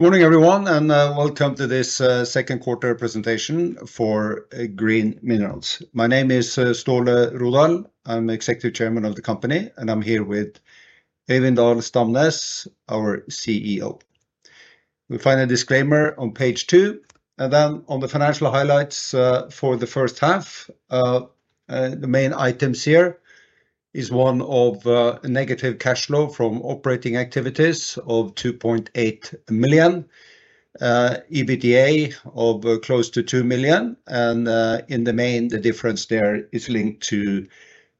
Morning everyone, and welcome to this Second Quarter Presentation for Green Minerals. My name is Ståle Rodahl. I'm the Executive Chairman of the company, and I'm here with Øivind Dahl-Stamnes, our CEO. We find a disclaimer on page two. On the financial highlights for the first half, the main items here are one of negative cash flow from operating activities of 2.8 million, EBITDA of close to 2 million, and in the main, the difference there is linked to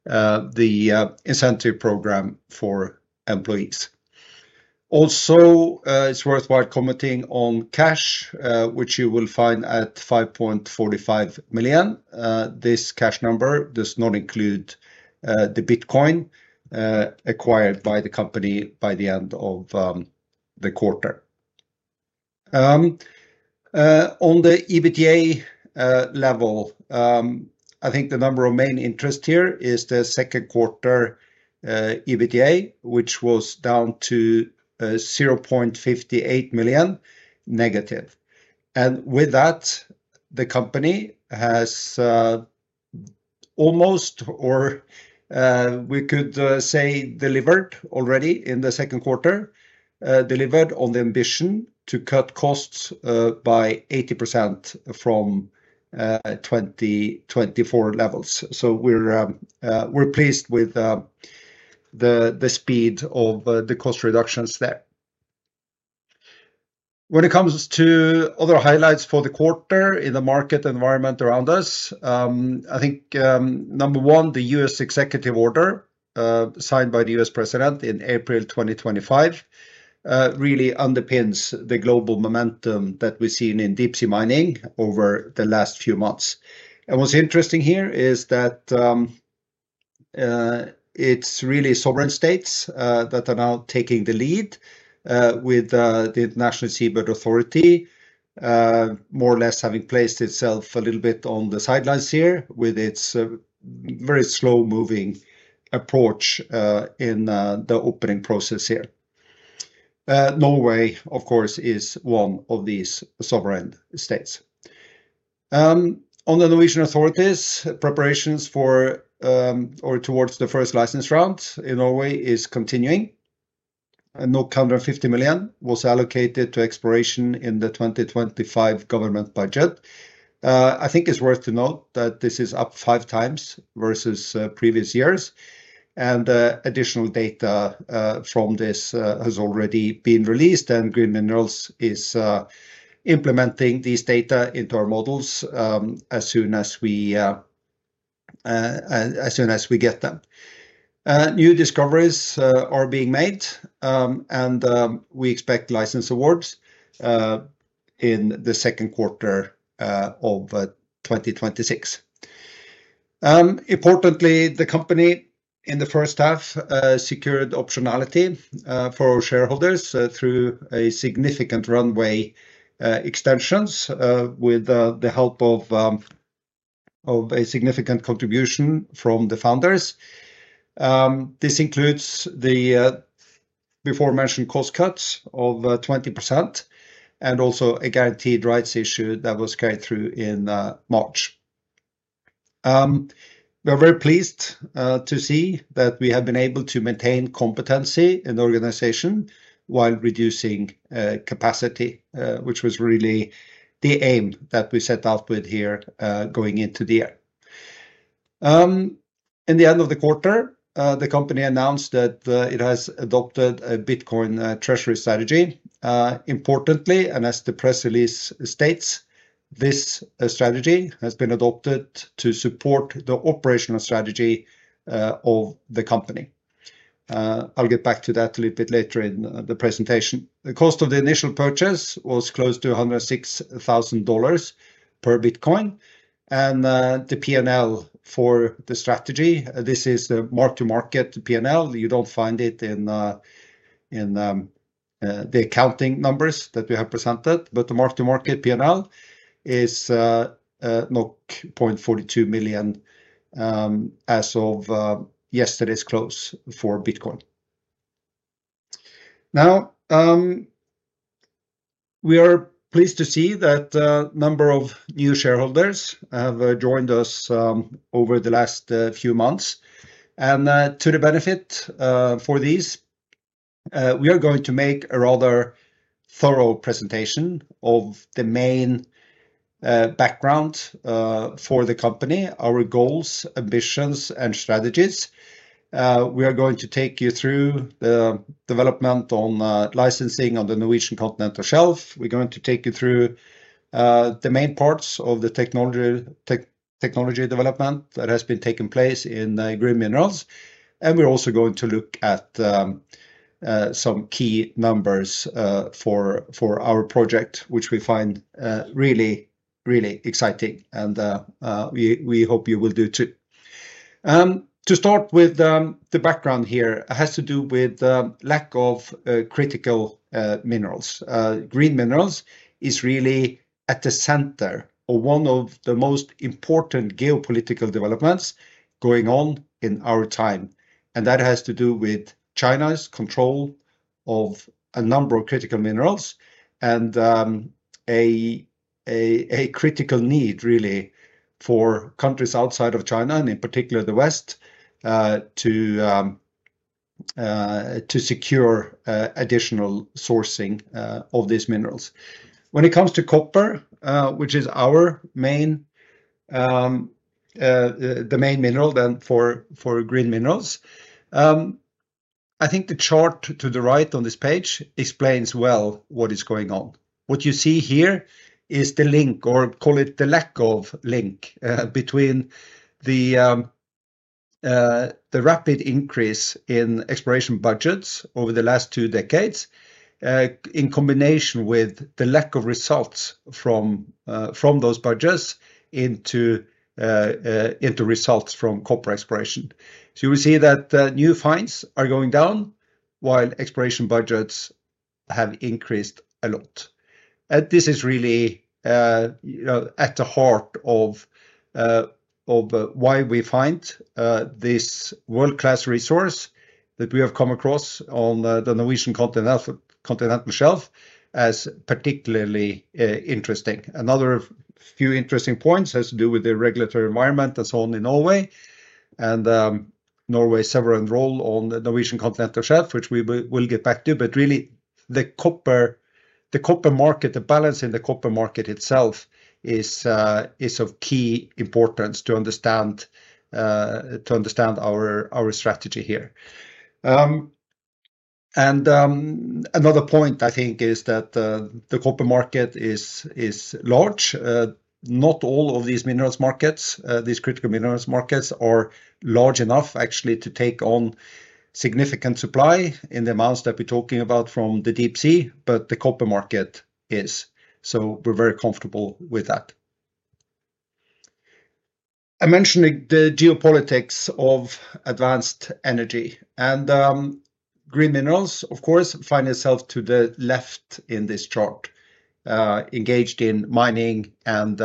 the incentive program for employees. Also, it's worthwhile commenting on cash, which you will find at 5.45 million. This cash number does not include the Bitcoin acquired by the company by the end of the quarter. On the EBITDA level, I think the number of main interest here is the second quarter EBITDA, which was down to -0.58 million. With that, the company has almost, or we could say, delivered already in the second quarter, delivered on the ambition to cut costs by 80% from 2024 levels. We're pleased with the speed of the cost reductions there. When it comes to other highlights for the quarter in the market environment around us, I think number one, the U.S. Executive Order signed by the U.S. President in April 2025 really underpins the global momentum that we've seen in deep sea mining over the last few months. What's interesting here is that it's really sovereign states that are now taking the lead with the National Seabed Authority, more or less having placed itself a little bit on the sidelines here with its very slow-moving approach in the opening process here. Norway, of course, is one of these sovereign states. On the Norwegian authorities, preparations for or towards the first licensing round in Norway are continuing. 150 million was allocated to exploration in the 2025 government budget. I think it's worth to note that this is up 5x versus previous years. Additional data from this has already been released, and Green Minerals is implementing these data into our models as soon as we get them. New discoveries are being made, and we expect license awards in the second quarter of 2026. Importantly, the company in the first half secured optionality for our shareholders through a significant runway extension with the help of a significant contribution from the founders. This includes the before-mentioned cost cuts of 20% and also a guaranteed rights issue that was carried through in March. We are very pleased to see that we have been able to maintain competency in the organization while reducing capacity, which was really the aim that we set out with here going into the year. At the end of the quarter, the company announced that it has adopted a Bitcoin treasury strategy. Importantly, and as the press release states, this strategy has been adopted to support the operational strategy of the company. I'll get back to that a little bit later in the presentation. The cost of the initial purchase was close to $106,000 per Bitcoin. In the P&L for the strategy, this is the mark-to-market P&L. You don't find it in the accounting numbers that we have presented, but the mark-to-market P&L is 0.42 million as of yesterday's close for Bitcoin. We are pleased to see that a number of new shareholders have joined us over the last few months. To the benefit for these, we are going to make a rather thorough presentation of the main background for the company, our goals, ambitions, and strategies. We are going to take you through the development on licensing on the Norwegian continental shelf. We are going to take you through the main parts of the technology development that has been taking place in Green Minerals. We are also going to look at some key numbers for our project, which we find really, really exciting. We hope you will do too. To start with the background here, it has to do with the lack of critical minerals. Green Minerals is really at the center of one of the most important geopolitical developments going on in our time. That has to do with China's control of a number of critical minerals and a critical need, really, for countries outside of China, and in particular the West, to secure additional sourcing of these minerals. When it comes to copper, which is our main, the main mineral then for Green Minerals, I think the chart to the right on this page explains well what is going on. What you see here is the link, or call it the lack of link, between the rapid increase in exploration budgets over the last two decades, in combination with the lack of results from those budgets into results from copper exploration. You will see that new finds are going down while exploration budgets have increased a lot. This is really at the heart of why we find this world-class resource that we have come across on the Norwegian continental shelf as particularly interesting. Another few interesting points have to do with the regulatory environment and so on in Norway and Norway's sovereign role on the Norwegian continental shelf, which we will get back to. The copper market, the balance in the copper market itself is of key importance to understand our strategy here. Another point, I think, is that the copper market is large. Not all of these minerals markets, these critical minerals markets, are large enough actually to take on significant supply in the amounts that we're talking about from the deep sea, but the copper market is. We're very comfortable with that. I mentioned the geopolitics of advanced energy. Green Minerals, of course, find itself to the left in this chart, engaged in mining and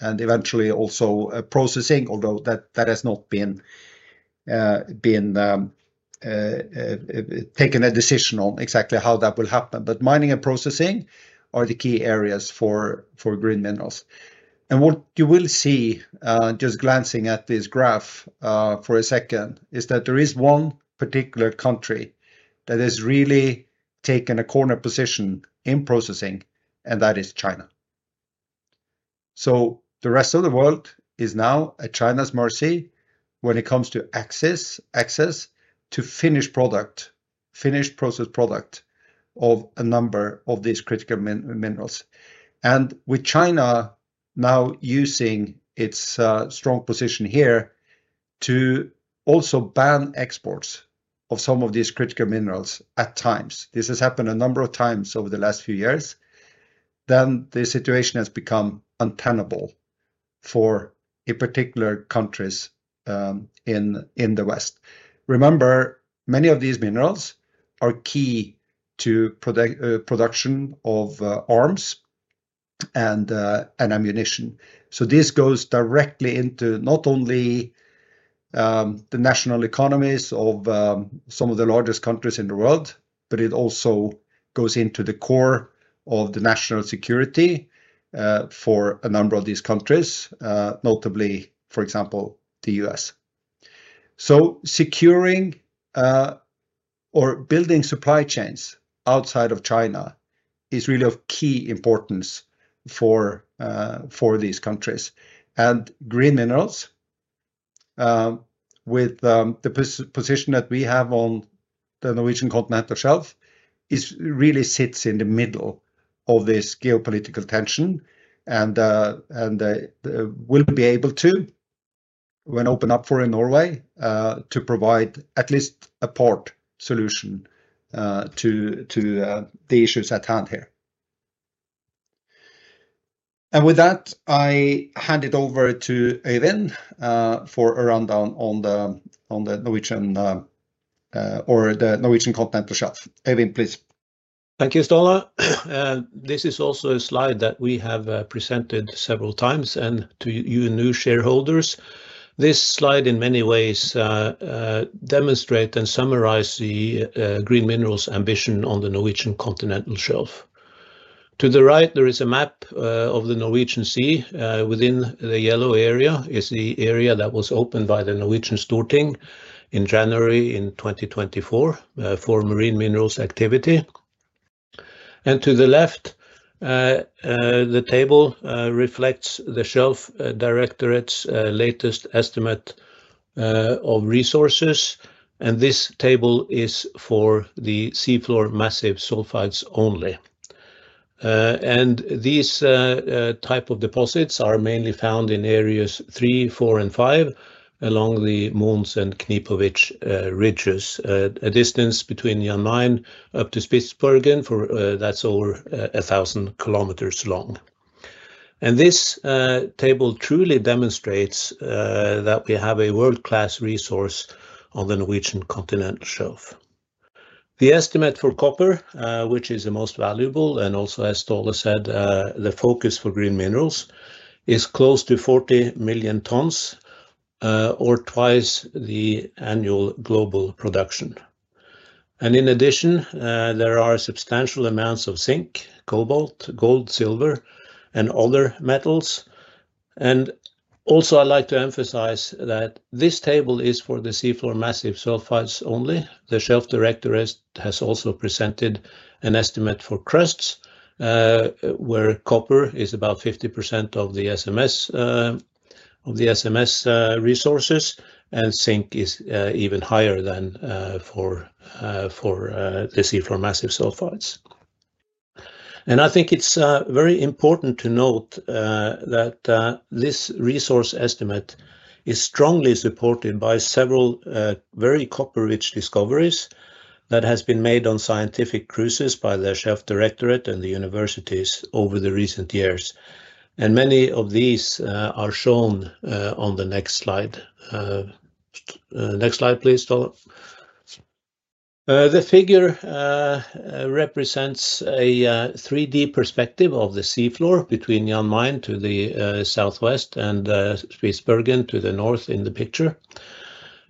eventually also processing, although that has not been taken a decision on exactly how that will happen. Mining and processing are the key areas for Green Minerals. What you will see, just glancing at this graph for a second, is that there is one particular country that has really taken a corner position in processing, and that is China. The rest of the world is now at China's mercy when it comes to access to finished product, finished processed product of a number of these critical minerals. With China now using its strong position here to also ban exports of some of these critical minerals at times, this has happened a number of times over the last few years, the situation has become untenable for particular countries in the West. Remember, many of these minerals are key to production of arms and ammunition. This goes directly into not only the national economies of some of the largest countries in the world, but it also goes into the core of the national security for a number of these countries, notably, for example, the U.S. Securing or building supply chains outside of China is really of key importance for these countries. Green Minerals, with the position that we have on the Norwegian continental shelf, really sits in the middle of this geopolitical tension and will be able to, when opened up for in Norway, to provide at least a part solution to the issues at hand here. With that, I hand it over to Øivind for a rundown on the Norwegian or the continental shelf. Øivind, please. Thank you, Ståle. This is also a slide that we have presented several times and to you and new shareholders. This slide, in many ways, demonstrates and summarizes Green Minerals' ambition on the Norwegian continental shelf. To the right, there is a map of the Norwegian Sea. Within the yellow area is the area that was opened by the Norwegian Storting in January 2024 for marine minerals activity. To the left, the table reflects the shelf directorate's latest estimate of resources. This table is for the seafloor massive sulfides only. These types of deposits are mainly found in areas three, four, and five along the Mohns and Knipovich ridges, a distance between Jan Mayen up to Spitsbergen, that's over 1,000 kilometers long. This table truly demonstrates that we have a world-class resource on the Norwegian continental shelf. The estimate for copper, which is the most valuable and also, as Ståle said, the focus for Green Minerals, is close to 40 million tons, or twice the annual global production. In addition, there are substantial amounts of zinc, cobalt, gold, silver, and other metals. I'd like to emphasize that this table is for the seafloor massive sulfides only. The shelf directorate has also presented an estimate for crusts, where copper is about 50% of the SMS resources, and zinc is even higher than for the seafloor massive sulfides. I think it's very important to note that this resource estimate is strongly supported by several very copper-rich discoveries that have been made on scientific cruises by the shelf directorate and the universities over the recent years. Many of these are shown on the next slide. Next slide, please, Ståle. The figure represents a 3D perspective of the seafloor between Jan Mayen to the southwest and Spitsbergen to the north in the picture,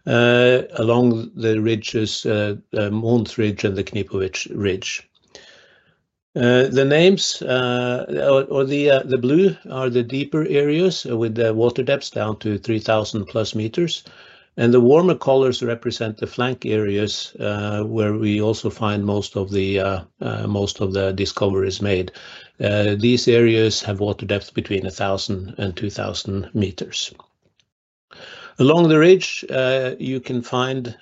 along the ridges, Mohns Ridge and the Knipovich Ridge. The names, or the blue, are the deeper areas with the water depths down to 3,000+ m. The warmer colors represent the flank areas where we also find most of the discoveries made. These areas have water depths between 1,000 m and 2,000 m. Along the ridge, you can find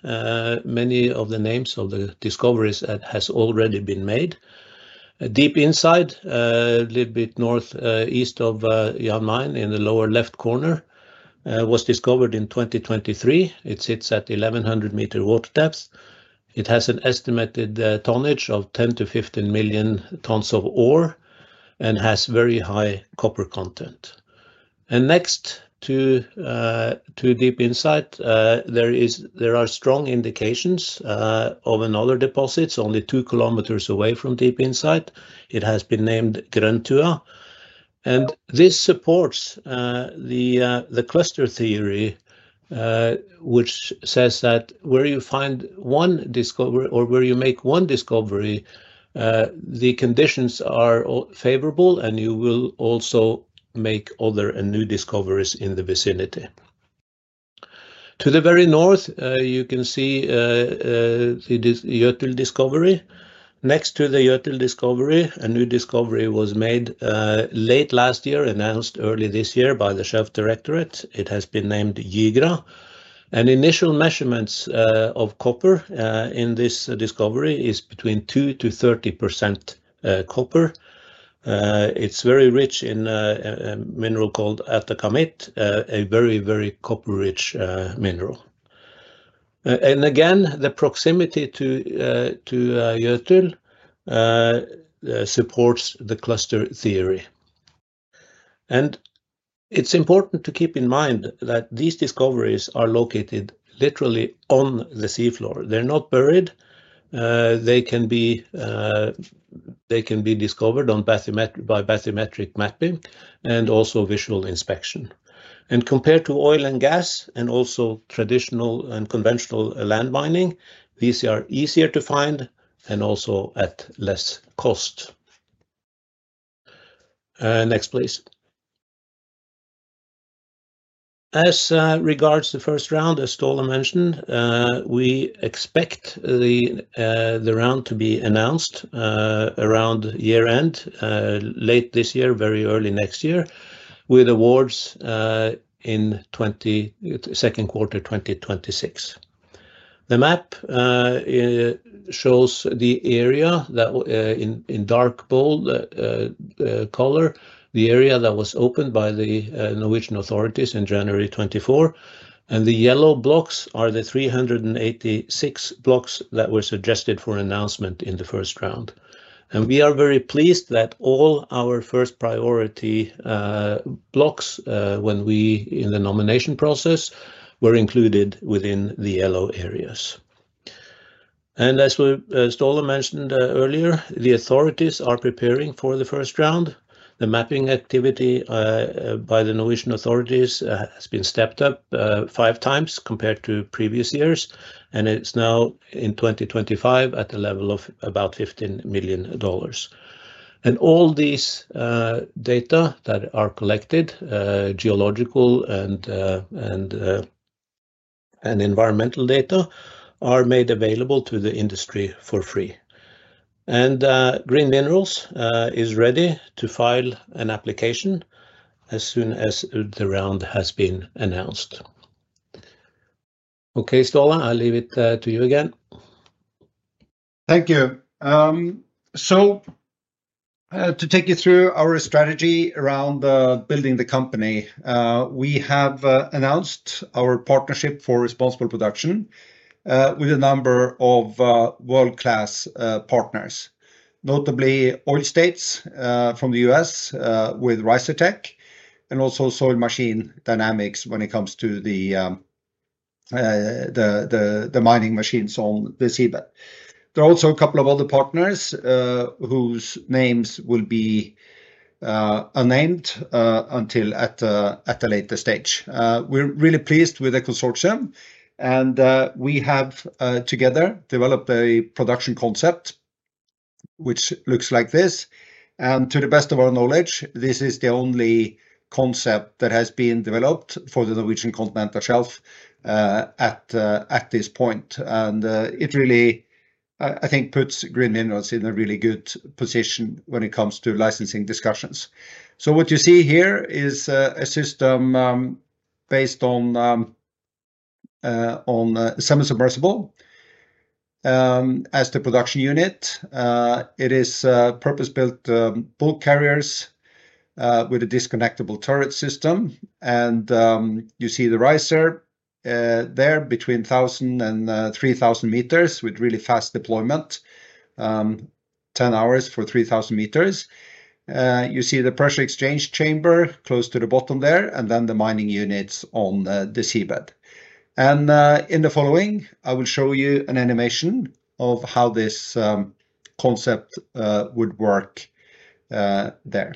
many of the names of the discoveries that have already been made. [Deep Insight], a little bit northeast of Jan Mayen in the lower left corner, was discovered in 2023. It sits at 1,100 m water depths. It has an estimated tonnage of 10 to 15 million tons of ore and has very high copper content. Next to [Deep Insight], there are strong indications of another deposit only 2 km away from [Deep Insight]. It has been named Grøntua. This supports the cluster theory, which says that where you find one discovery or where you make one discovery, the conditions are favorable and you will also make other and new discoveries in the vicinity. To the very north, you can see the Jøtul discovery. Next to the Jøtul discovery, a new discovery was made late last year and announced early this year by the shelf directorate. It has been named [Jigra]. Initial measurements of copper in this discovery are between 2%-30% copper. It's very rich in a mineral called atakamit, a very, very copper-rich mineral. The proximity to Jøtul supports the cluster theory. It's important to keep in mind that these discoveries are located literally on the seafloor. They're not buried. They can be discovered by bathymetric mapping and also visual inspection. Compared to oil and gas and also traditional and conventional land mining, these are easier to find and also at less cost. Next, please. As regards the first round, as Ståle mentioned, we expect the round to be announced around year-end, late this year, very early next year, with awards in the second quarter 2026. The map shows the area that in dark gold color, the area that was opened by the Norwegian authorities in January 2024. The yellow blocks are the 386 blocks that were suggested for announcement in the first round. We are very pleased that all our first priority blocks when we in the nomination process were included within the yellow areas. As Ståle mentioned earlier, the authorities are preparing for the first round. The mapping activity by the Norwegian authorities has been stepped up 5x compared to previous years, and it's now in 2025 at the level of about $15 million. All these data that are collected, geological and environmental data, are made available to the industry for free. Green Minerals is ready to file an application as soon as the round has been announced. Okay, Ståle, I'll leave it to you again. Thank you. To take you through our strategy around building the company, we have announced our partnership for responsible production with a number of world-class partners, notably Oil States from the U.S. with RiserTec and also Soil Machine Dynamics when it comes to the mining machines on the seabed. There are also a couple of other partners whose names will be unnamed until at the later stage. We're really pleased with the consortium, and we have together developed a production concept which looks like this. To the best of our knowledge, this is the only concept that has been developed for the Norwegian continental shelf at this point. It really, I think, puts Green Minerals in a really good position when it comes to licensing discussions. What you see here is a system based on a semi-submersible as the production unit. It is purpose-built bulk carriers with a disconnectable turret system. You see the riser there between 1,000 m and 3,000 m with really fast deployment, 10 hours for 3,000 m. You see the pressure exchange chamber close to the bottom there, and then the mining units on the seabed. In the following, I will show you an animation of how this concept would work there.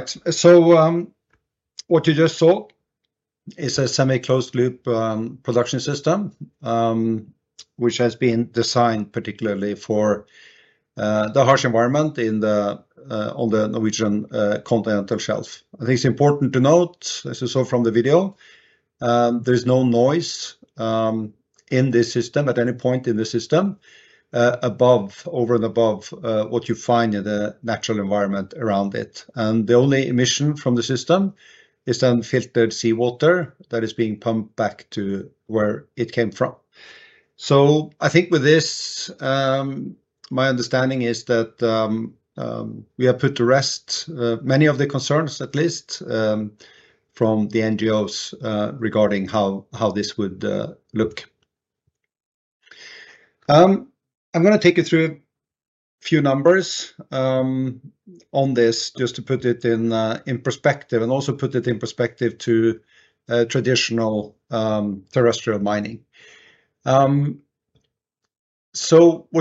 All right. What you just saw is a semi-closed loop production system, which has been designed particularly for the harsh environment on the Norwegian continental shelf. I think it's important to note, as you saw from the video, there's no noise in this system at any point in the system, above, over and above what you find in the natural environment around it. The only emission from the system is then filtered seawater that is being pumped back to where it came from. I think with this, my understanding is that we have put to rest many of the concerns, at least from the NGOs, regarding how this would look. I'm going to take you through a few numbers on this just to put it in perspective and also put it in perspective to traditional terrestrial mining. What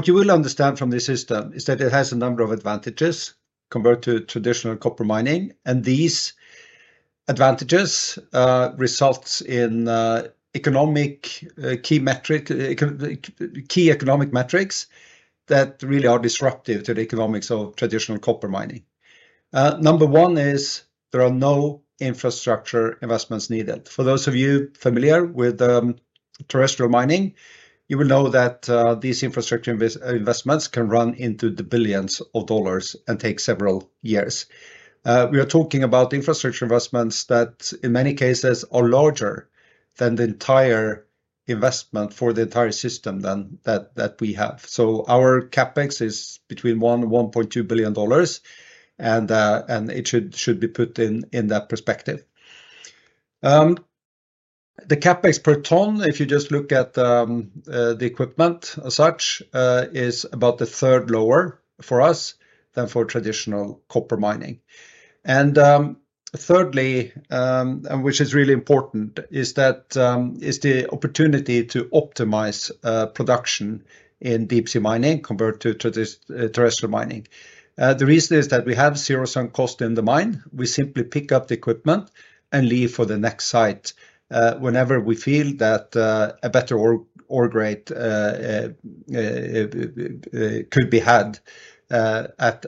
you will understand from this system is that it has a number of advantages compared to traditional copper mining. These advantages result in key economic metrics that really are disruptive to the economics of traditional copper mining. Number one is there are no infrastructure investments needed. For those of you familiar with terrestrial mining, you will know that these infrastructure investments can run into the billions of dollars and take several years. We are talking about infrastructure investments that in many cases are larger than the entire investment for the entire system that we have. Our CapEx is between $1 billion-$1.2 billion, and it should be put in that perspective. The CapEx/ton, if you just look at the equipment as such, is about a third lower for us than for traditional copper mining. Thirdly, and which is really important, is that it's the opportunity to optimize production in deep sea mining compared to terrestrial mining. The reason is that we have zero sunk cost in the mine. We simply pick up the equipment and leave for the next site whenever we feel that a better ore grade could be had at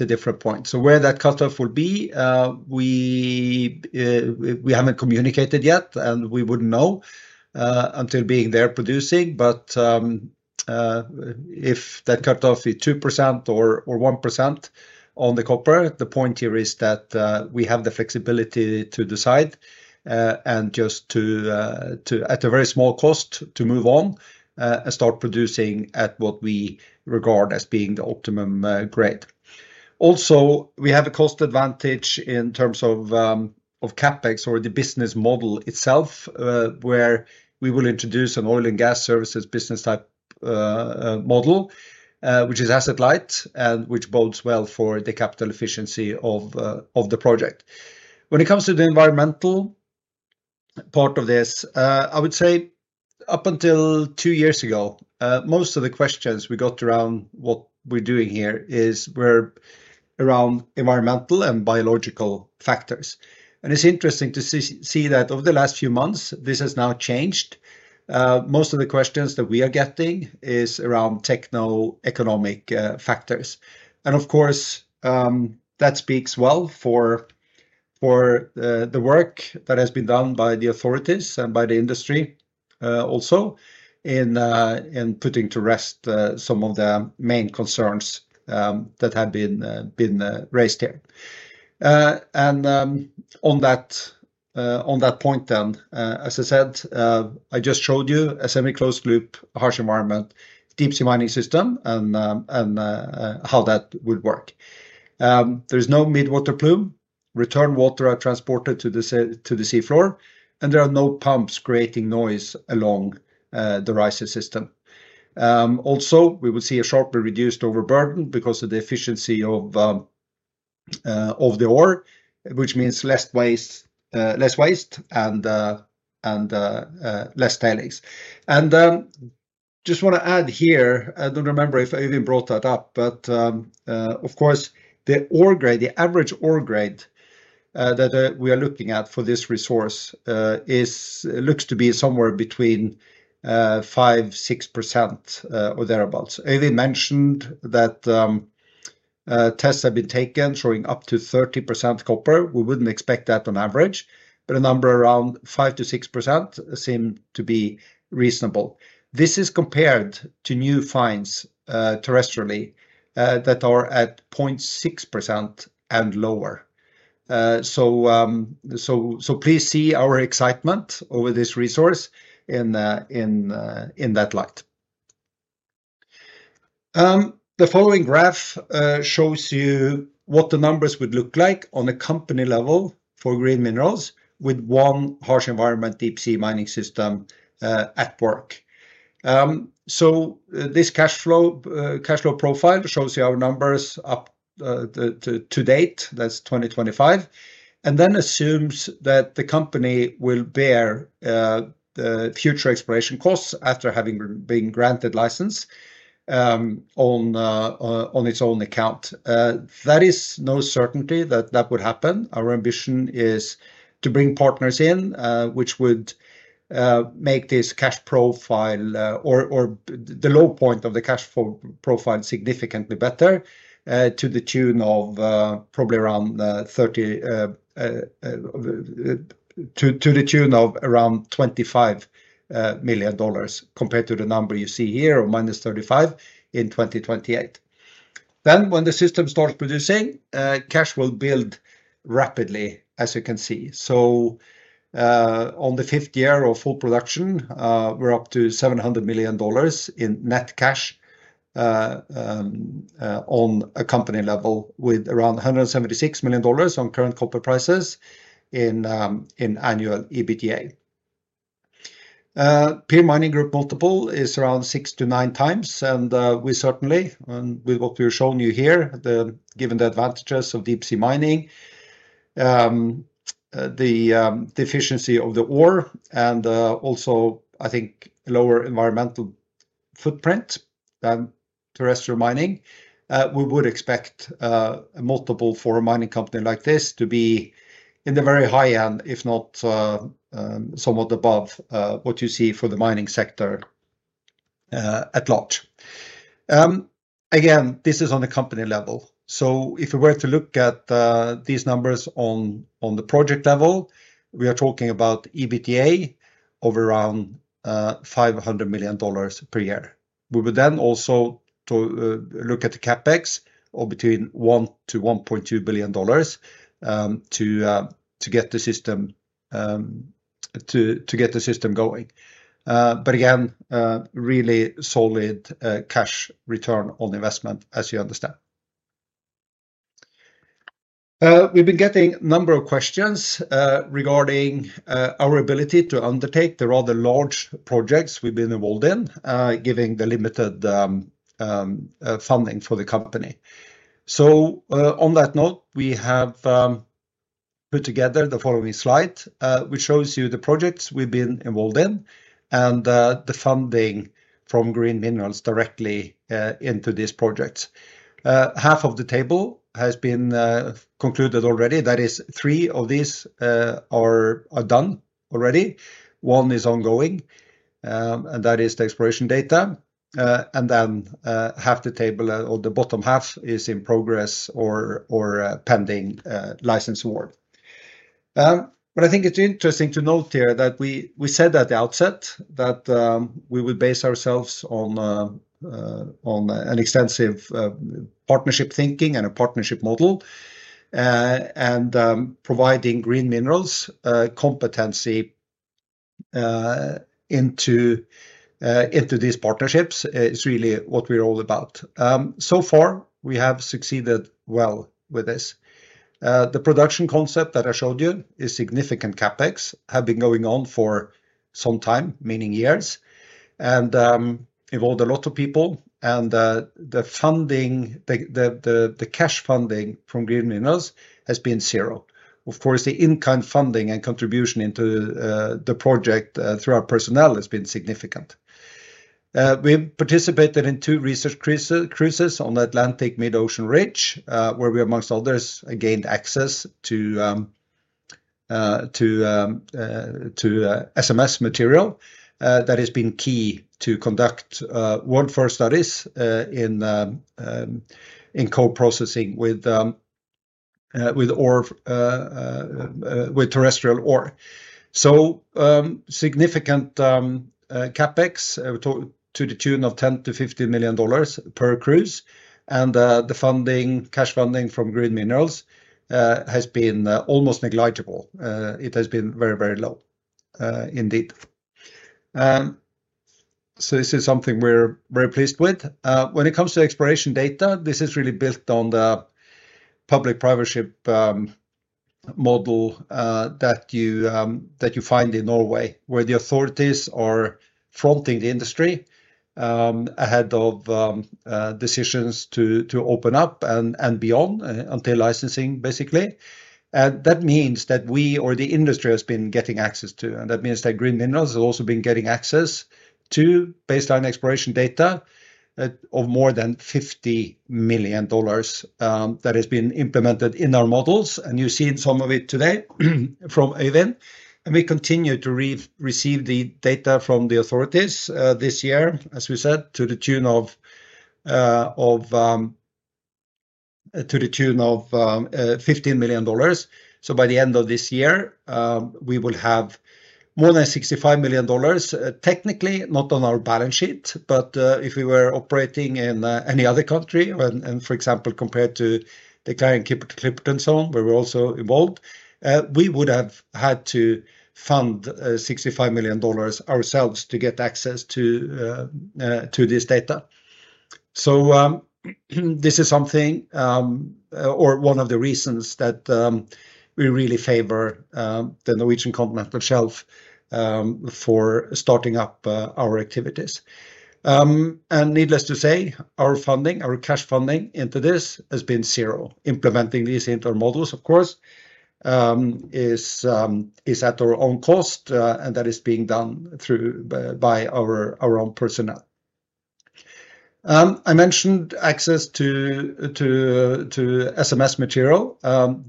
a different point. Where that cutoff will be, we haven't communicated yet, and we wouldn't know until being there producing. If that cutoff is 2% or 1% on the copper, the point here is that we have the flexibility to decide and just to, at a very small cost, move on and start producing at what we regard as being the optimum grade. Also, we have a cost advantage in terms of CapEx or the business model itself, where we will introduce an oil and gas services business type model, which is asset-light and which bodes well for the capital efficiency of the project. When it comes to the environmental part of this, I would say up until two years ago, most of the questions we got around what we're doing here were around environmental and biological factors. It's interesting to see that over the last few months, this has now changed. Most of the questions that we are getting are around techno-economic factors. Of course, that speaks well for the work that has been done by the authorities and by the industry also in putting to rest some of the main concerns that have been raised here. On that point then, as I said, I just showed you a semi-closed loop, harsh environment, deep sea mining system, and how that would work. There is no midwater plume. Return water is transported to the seafloor, and there are no pumps creating noise along the riser system. Also, we will see a sharply reduced overburden because of the efficiency of the ore, which means less waste and less tailings. I just want to add here, I don't remember if I even brought that up, but of course, the average ore grade that we are looking at for this resource looks to be somewhere between 5%-6% or thereabouts. Øivind mentioned that tests have been taken showing up to 30% copper. We wouldn't expect that on average, but a number around 5%-6% seemed to be reasonable. This is compared to new finds terrestrially that are at 0.6% and lower. Please see our excitement over this resource in that light. The following graph shows you what the numbers would look like on a company level for Green Minerals with one harsh environment deep sea mining system at work. This cash flow profile shows you our numbers up to date, that's 2025, and then assumes that the company will bear the future exploration costs after having been granted license on its own account. There is no certainty that that would happen. Our ambition is to bring partners in, which would make this cash profile or the low point of the cash flow profile significantly better to the tune of probably around $25 million compared to the number you see here or $-35 million in 2028. When the system starts producing, cash will build rapidly, as you can see. On the fifth year of full production, we're up to $700 million in net cash on a company level with around $176 million on current copper prices in annual EBITDA. Peer mining group multiple is around 6-9x, and we certainly, with what we've shown you here, given the advantages of deep sea mining, the efficiency of the ore, and also, I think, lower environmental footprint than terrestrial mining, would expect a multiple for a mining company like this to be in the very high end, if not somewhat above what you see for the mining sector at large. This is on the company level. If we were to look at these numbers on the project level, we are talking about EBITDA of around $500 million per year. We would then also look at the CapEx of between $1 billion-$1.2 billion to get the system going. Again, really solid cash return on investment, as you understand. We've been getting a number of questions regarding our ability to undertake the rather large projects we've been involved in, given the limited funding for the company. On that note, we have put together the following slide, which shows you the projects we've been involved in and the funding from Green Minerals directly into these projects. Half of the table has been concluded already. That is, three of these are done already. One is ongoing, and that is the exploration data. Half the table or the bottom half is in progress or pending license award. I think it's interesting to note here that we said at the outset that we would base ourselves on an extensive partnership thinking and a partnership model and providing Green Minerals' competency into these partnerships. It's really what we're all about. So far, we have succeeded well with this. The production concept that I showed you is significant CapEx, have been going on for some time, meaning years, and involved a lot of people. The cash funding from Green Minerals has been zero. Of course, the in-kind funding and contribution into the project through our personnel has been significant. We participated in two research cruises on the Atlantic mid-ocean ridge, where we, amongst others, gained access to SMS material that has been key to conduct waterfall studies in co-processing with terrestrial ore. Significant CapEx, we're talking to the tune of $10 million-$15 million per cruise, and the cash funding from Green Minerals has been almost negligible. It has been very, very low indeed. This is something we're very pleased with. When it comes to exploration data, this is really built on the public-private partnership model that you find in Norway, where the authorities are fronting the industry ahead of decisions to open up and beyond until licensing, basically. That means that we or the industry has been getting access to, and that means that Green Minerals has also been getting access to baseline exploration data of more than $50 million that has been implemented in our models. You've seen some of it today from Øivind. We continue to receive the data from the authorities this year, as we said, to the tune of $15 million. By the end of this year, we will have more than $65 million. Technically, not on our balance sheet, but if we were operating in any other country, and for example, compared to the Clarion-Clipperton Zone, where we're also involved, we would have had to fund $65 million ourselves to get access to this data. This is one of the reasons that we really favor the Norwegian continental shelf for starting up our activities. Needless to say, our funding, our cash funding into this has been zero. Implementing these into our models, of course, is at our own cost, and that is being done by our own personnel. I mentioned access to SMS material.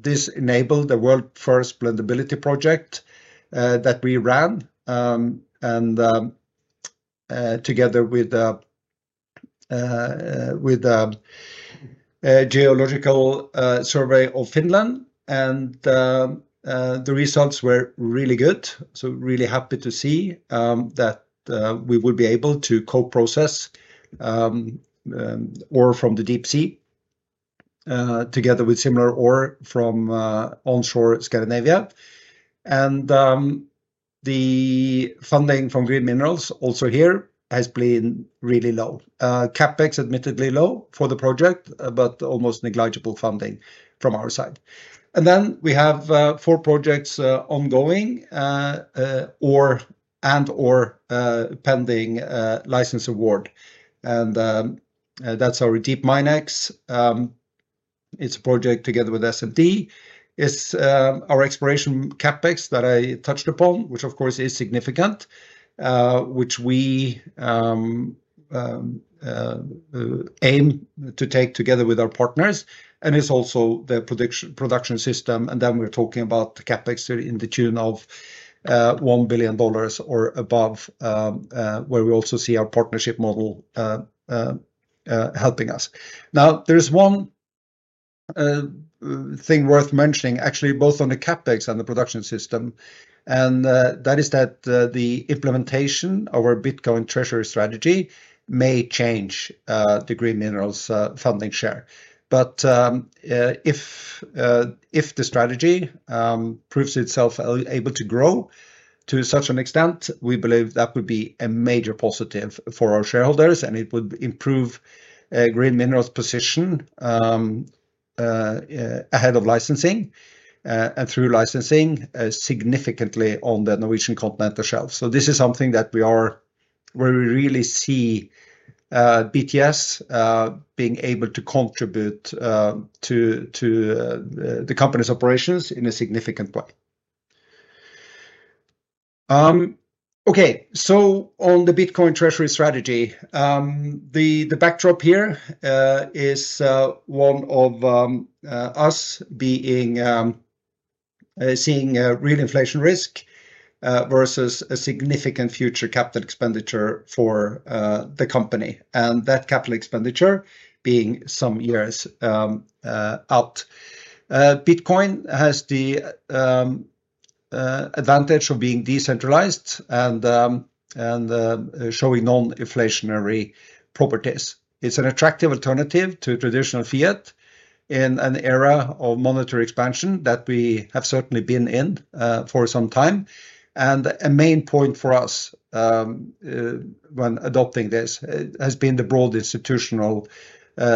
This enabled the world's first blendability project that we ran, together with the Geological Survey of Finland. The results were really good. We're really happy to see that we will be able to co-process ore from the deep sea together with similar ore from onshore Scandinavia. The funding from Green Minerals also here has been really low. CapEx admittedly low for the project, but almost negligible funding from our side. We have four projects ongoing and/or pending license award. That's our DeepMineX. It's a project together with SMD. It's our exploration CapEx that I touched upon, which of course is significant, which we aim to take together with our partners. It's also the production system. We're talking about the CapEx in the tune of $1 billion or above, where we also see our partnership model helping us. There's one thing worth mentioning, actually, both on the CapEx and the production system. That is that the implementation of our Bitcoin treasury strategy may change Green Minerals' funding share. If the strategy proves itself able to grow to such an extent, we believe that would be a major positive for our shareholders, and it would improve Green Minerals' position ahead of licensing and through licensing significantly on the Norwegian continental shelf. This is something where we really see BTS being able to contribute to the company's operations in a significant way. On the Bitcoin treasury strategy, the backdrop here is one of us seeing real inflation risk versus a significant future capital expenditure for the company, and that capital expenditure being some years out. Bitcoin has the advantage of being decentralized and showing non-inflationary properties. It's an attractive alternative to traditional fiat in an era of monetary expansion that we have certainly been in for some time. A main point for us when adopting this has been the broad institutional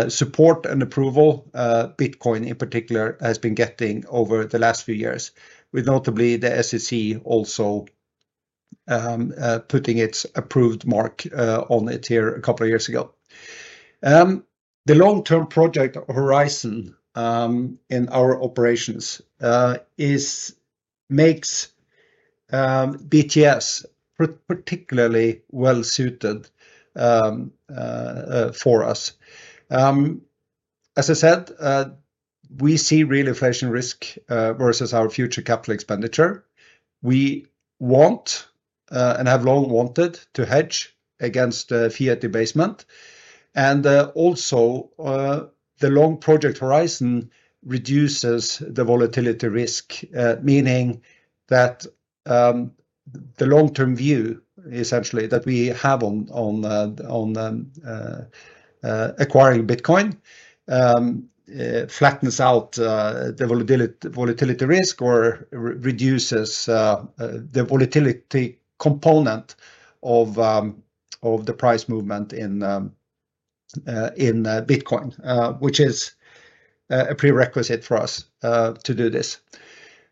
support and approval Bitcoin in particular has been getting over the last few years, with notably the SEC also putting its approved mark on it here a couple of years ago. The long-term project horizon in our operations makes BTS particularly well-suited for us. As I said, we see real inflation risk versus our future capital expenditure. We want and have long wanted to hedge against the fiat debasement. Also, the long project horizon reduces the volatility risk, meaning that the long-term view, essentially, that we have on acquiring Bitcoin flattens out the volatility risk or reduces the volatility component of the price movement in Bitcoin, which is a prerequisite for us to do this.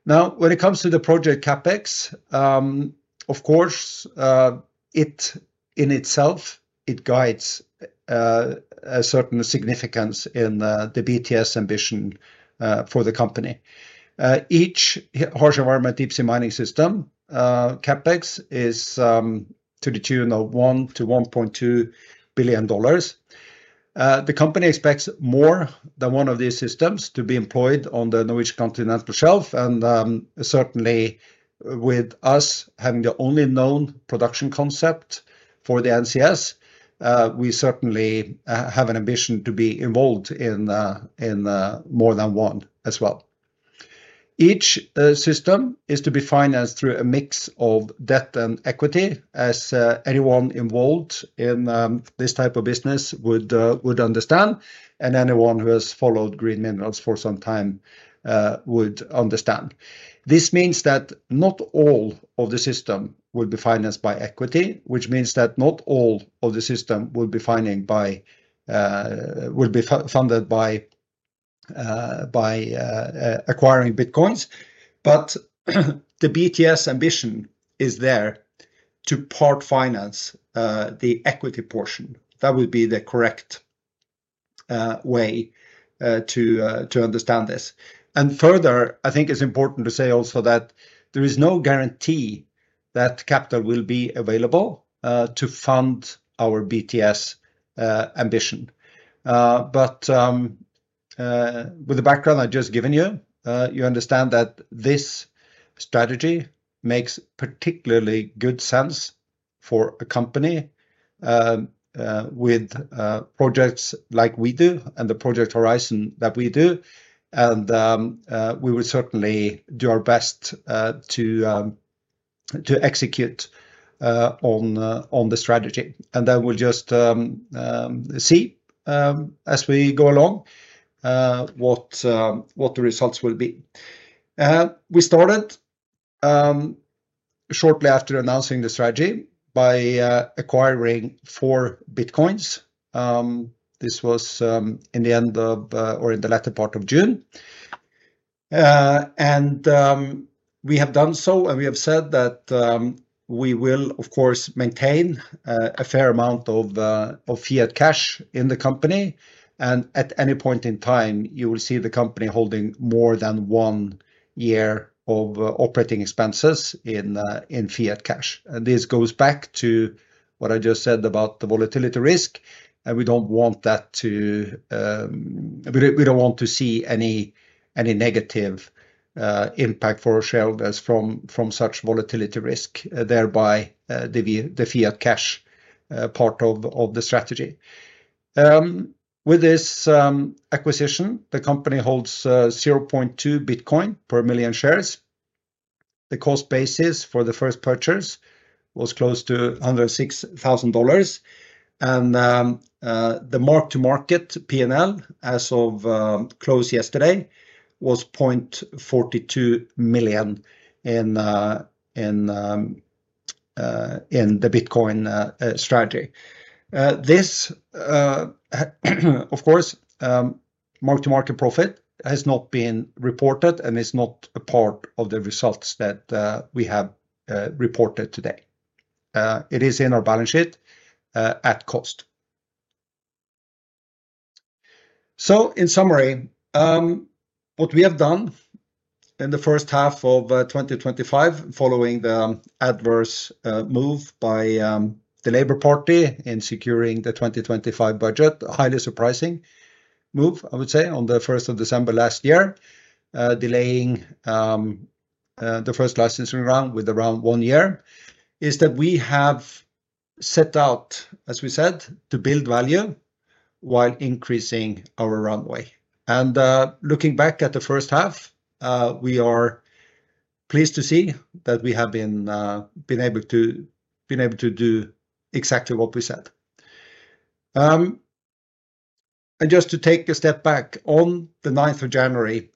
When it comes to the project CapEx, in itself, it guides a certain significance in the BTS ambition for the company. Each harsh environment deep sea mining system CapEx is to the tune of $1 billion-$1.2 billion. The company expects more than one of these systems to be employed on the Norwegian continental shelf. Certainly, with us having the only known production concept for the NCS, we certainly have an ambition to be involved in more than one as well. Each system is to be financed through a mix of debt and equity, as anyone involved in this type of business would understand, and anyone who has followed Green Minerals for some time would understand. This means that not all of the system will be financed by equity, which means that not all of the system will be funded by acquiring Bitcoin. The BTS ambition is there to part finance the equity portion. That would be the correct way to understand this. I think it's important to say also that there is no guarantee that capital will be available to fund our BTS ambition. With the background I've just given you, you understand that this strategy makes particularly good sense for a company with projects like we do and the project horizon that we do. We will certainly do our best to execute on the strategy. We'll just see as we go along what the results will be. We started shortly after announcing the strategy by acquiring four Bitcoins. This was in the end of or in the latter part of June. We have done so, and we have said that we will, of course, maintain a fair amount of fiat cash in the company. At any point in time, you will see the company holding more than one year of operating expenses in fiat cash. This goes back to what I just said about the volatility risk. We don't want to see any negative impact for our shareholders from such volatility risk, thereby the fiat cash part of the strategy. With this acquisition, the company holds 0.2 Bitcoin per million shares. The cost basis for the first purchase was close to $106,000. The mark-to-market P&L as of close yesterday was $0.42 million in the Bitcoin strategy. This, of course, mark-to-market profit has not been reported and is not a part of the results that we have reported today. It is in our balance sheet at cost. In summary, what we have done in the first half of 2025, following the adverse move by the Labor Party in securing the 2025 budget, a highly surprising move, I would say, on the 1st of December last year, delaying the first licensing round with around one year, is that we have set out, as we said, to build value while increasing our runway. Looking back at the first half, we are pleased to see that we have been able to do exactly what we said. Just to take a step back, on the 9th of January,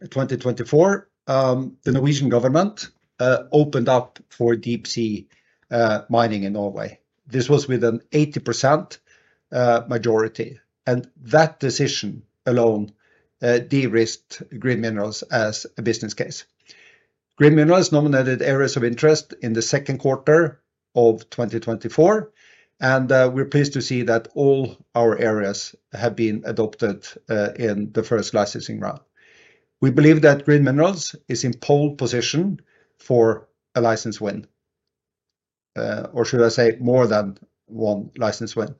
2024, the Norwegian government opened up for deep sea mining in Norway. This was with an 80% majority. That decision alone de-risked Green Minerals as a business case. Green Minerals nominated areas of interest in the second quarter of 2024, and we're pleased to see that all our areas have been adopted in the first licensing round. We believe that Green Minerals is in pole position for a license win, or should I say more than one license win?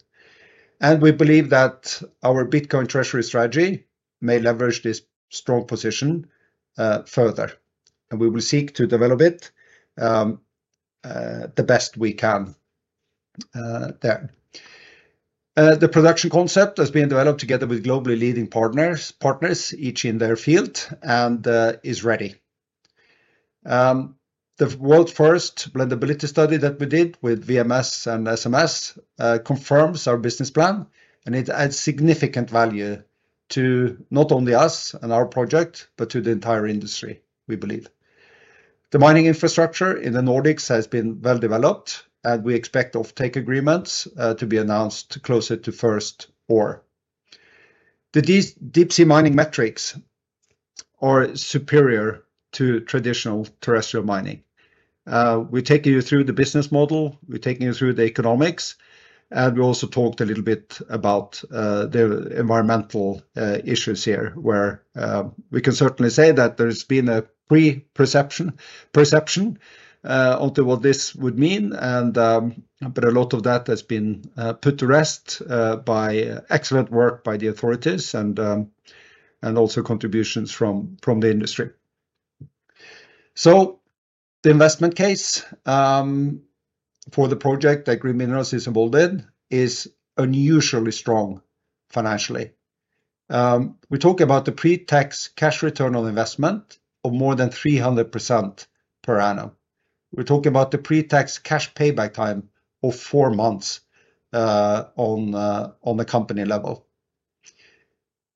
We believe that our Bitcoin treasury strategy may leverage this strong position further, and we will seek to develop it the best we can there. The production concept has been developed together with globally leading partners, each in their field, and is ready. The world's first blendability study that we did with VMS and SMS confirms our business plan, and it adds significant value to not only us and our project, but to the entire industry, we believe. The mining infrastructure in the Nordics has been well developed, and we expect off-take agreements to be announced closer to first ore. The deep sea mining metrics are superior to traditional terrestrial mining. We've taken you through the business model. We've taken you through the economics. We also talked a little bit about the environmental issues here, where we can certainly say that there has been a pre-perception onto what this would mean. A lot of that has been put to rest by excellent work by the authorities and also contributions from the industry. The investment case for the project that Green Minerals is involved in is unusually strong financially. We're talking about the pre-tax cash return on investment of more than 300% per annum. We're talking about the pre-tax cash payback time of four months on the company level.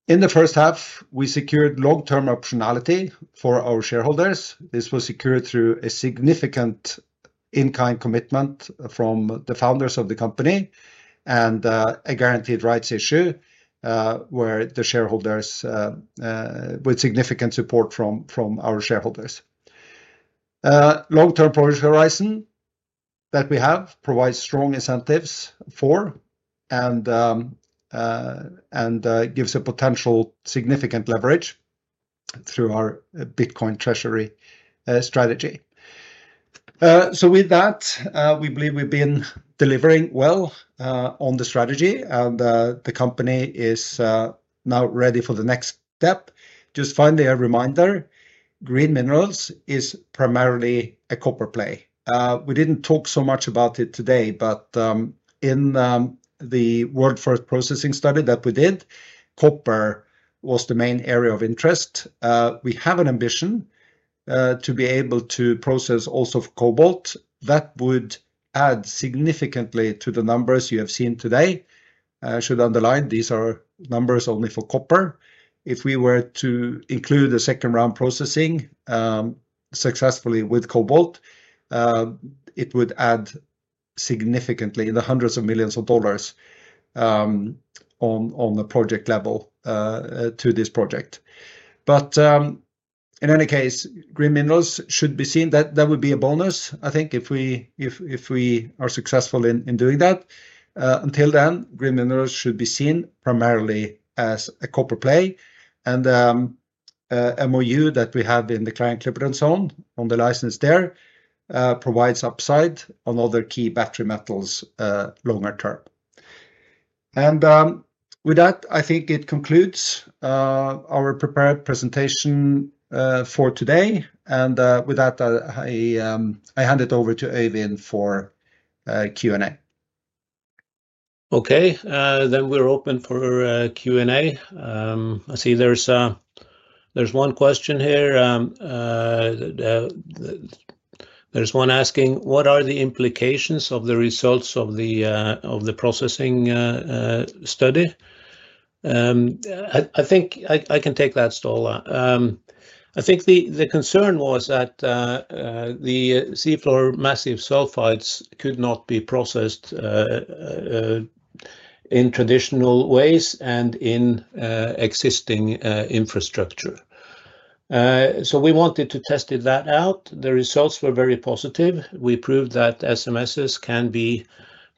In the first half, we secured long-term optionality for our shareholders. This was secured through a significant in-kind commitment from the founders of the company and a guaranteed rights issue with significant support from our shareholders. The long-term product horizon that we have provides strong incentives for and gives a potential significant leverage through our Bitcoin treasury strategy. With that, we believe we've been delivering well on the strategy, and the company is now ready for the next step. Just finally, a reminder, Green Minerals is primarily a copper play. We didn't talk so much about it today, but in the world first processing study that we did, copper was the main area of interest. We have an ambition to be able to process also for cobalt. That would add significantly to the numbers you have seen today. I should underline these are numbers only for copper. If we were to include the second round processing successfully with cobalt, it would add significantly in the hundreds of millions of dollars on the project level to this project. In any case, Green Minerals should be seen that that would be a bonus, I think, if we are successful in doing that. Until then, Green Minerals should be seen primarily as a copper play. The MoU that we have in the Clarion-Clipperton Zone on the license there provides upside on other key battery metals longer term. With that, I think it concludes our prepared presentation for today. With that, I hand it over to Øivind for Q&A. Okay. Then we're open for Q&A. I see there's one question here. There's one asking, what are the implications of the results of the processing study? I think I can take that, Ståle. I think the concern was that the seafloor massive sulfides could not be processed in traditional ways and in existing infrastructure. We wanted to test that out. The results were very positive. We proved that SMSs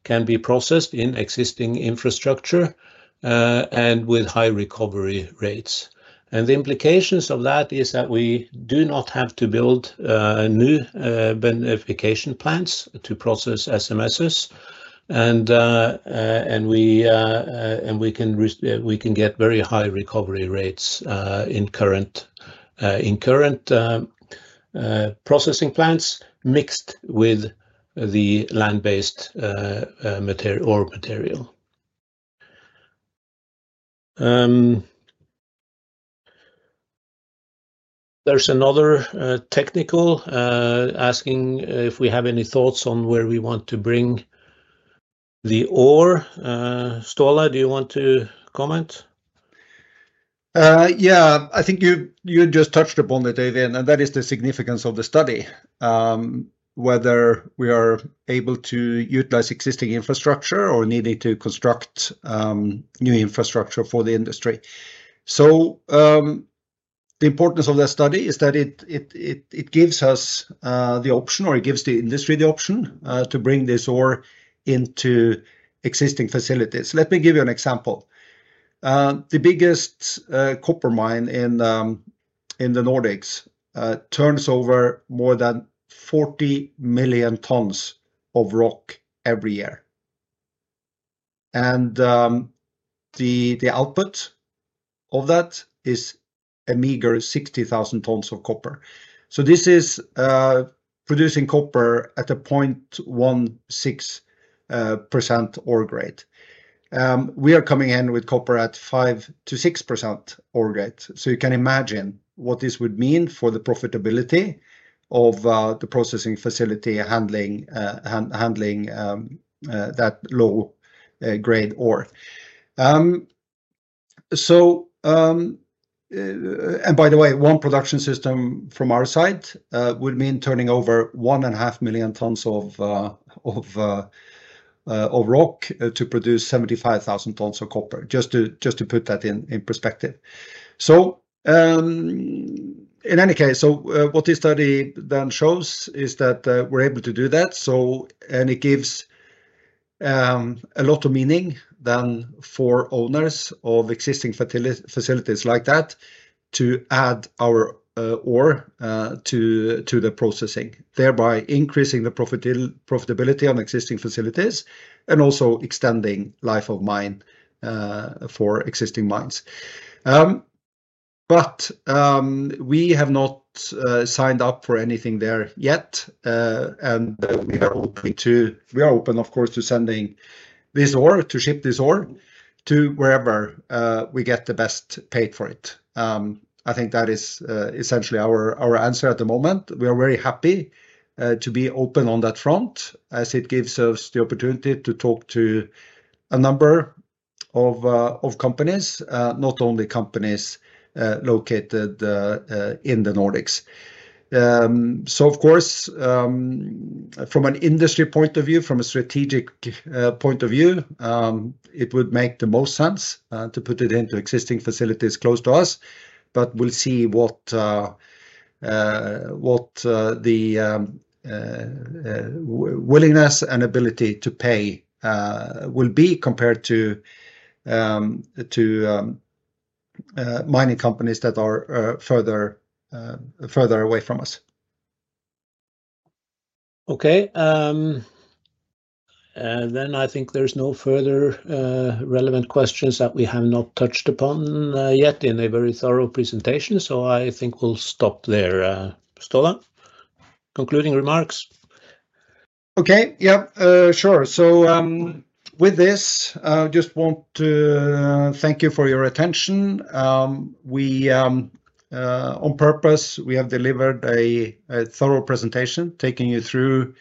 can be processed in existing infrastructure and with high recovery rates. The implications of that is that we do not have to build new beneficiation plants to process SMSs. We can get very high recovery rates in current processing plants mixed with the land-based ore material. There's another technical asking if we have any thoughts on where we want to bring the ore. Ståle, do you want to comment? Yeah. I think you just touched upon it, Øivind, and that is the significance of the study, whether we are able to utilize existing infrastructure or needing to construct new infrastructure for the industry. The importance of that study is that it gives us the option, or it gives the industry the option to bring this ore into existing facilities. Let me give you an example. The biggest copper mine in the Nordics turns over more than 40 million tons of rock every year. The output of that is a meager 60,000 tons of copper. This is producing copper at a 0.16% ore grade. We are coming in with copper at 5%-6% ore grade. You can imagine what this would mean for the profitability of the processing facility handling that low-grade ore. By the way, one production system from our side would mean turning over 1.5 million tons of rock to produce 75,000 tons of copper, just to put that in perspective. In any case, what this study then shows is that we're able to do that. It gives a lot of meaning for owners of existing facilities like that to add our ore to the processing, thereby increasing the profitability on existing facilities and also extending life of mine for existing mines. We have not signed up for anything there yet. We are open, of course, to sending this ore, to ship this ore to wherever we get the best paid for it. I think that is essentially our answer at the moment. We are very happy to be open on that front as it gives us the opportunity to talk to a number of companies, not only companies located in the Nordics. From an industry point of view, from a strategic point of view, it would make the most sense to put it into existing facilities close to us. We'll see what the willingness and ability to pay will be compared to mining companies that are further away from us. I think there's no further relevant questions that we have not touched upon yet in a very thorough presentation. I think we'll stop there. Ståle, concluding remarks? Okay. Yeah. Sure. With this, I just want to thank you for your attention. On purpose, we have delivered a thorough presentation, taking you through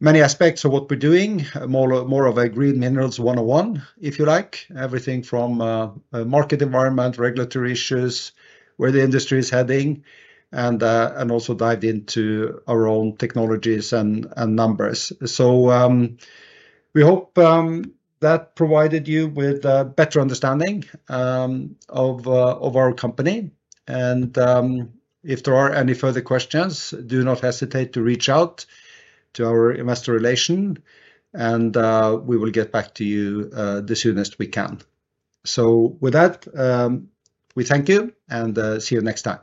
many aspects of what we're doing, more of a Green Minerals 101, if you like, everything from market environment, regulatory issues, where the industry is heading, and also dived into our own technologies and numbers. We hope that provided you with a better understanding of our company. If there are any further questions, do not hesitate to reach out to our Investor Relations, and we will get back to you the soonest we can. With that, we thank you and see you next time.